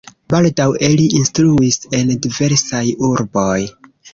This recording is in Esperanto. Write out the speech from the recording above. Baldaŭe li instruis en diversaj urboj.